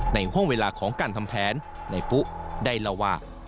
ในห้วงเวลาของการทำแผนนายปุ๊ะได้ระวาก